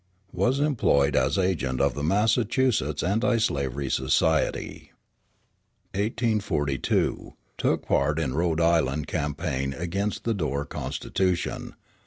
Was employed as agent of the Massachusetts Anti slavery Society. 1842 Took part in Rhode Island campaign against the Dorr constitution.